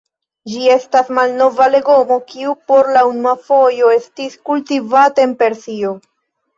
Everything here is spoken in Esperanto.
Ĝi estas malnova legomo kiu por la unua fojo estis kultivata en Persio.